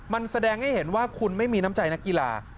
มันแสดงให้เห็นว่าคุณไม่มีน้ำใจนักกีฬา